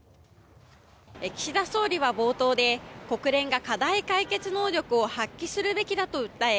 岸田総理は冒頭で国連が課題解決能力を発揮するべきだと訴え